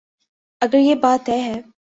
اگر یہ بات طے ہے۔